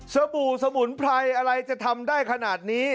บู่สมุนไพรอะไรจะทำได้ขนาดนี้